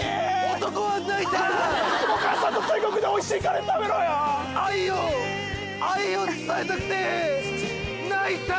男は泣いたお母さんと天国でおいしいカレー食べろよ愛を愛を伝えたくて泣いたー！